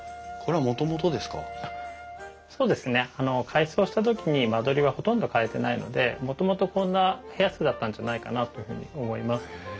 改装した時に間取りはほとんど変えてないのでもともとこんな部屋数だったんじゃないかなというふうに思います。